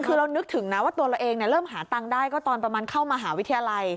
คือเรานึกถึงนะว่าตัวเราเองเริ่มหาตังค์ได้ก็ตอนประมาณเข้ามหาวิทยาลัย